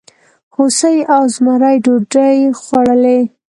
هوسۍ او زمري ډوډۍ خوړلې؟